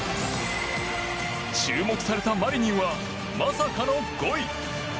注目されたマリニンはまさかの５位。